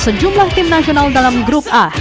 sejumlah tim nasional dalam grup a